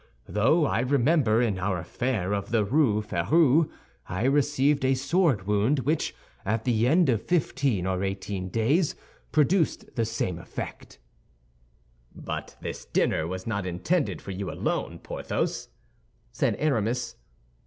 Though I remember, in our affair of the Rue Férou, I received a sword wound which at the end of fifteen or eighteen days produced the same effect." "But this dinner was not intended for you alone, Porthos?" said Aramis.